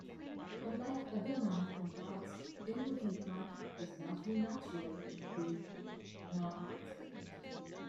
Unlike other Manhattan parks, Inwood Hill Park is largely natural, being non-landscaped.